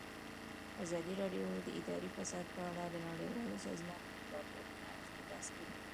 ازادي راډیو د اداري فساد په اړه د نړیوالو سازمانونو راپورونه اقتباس کړي.